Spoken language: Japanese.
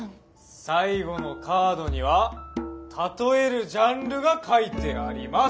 最後のカードには例えるジャンルが書いてあります。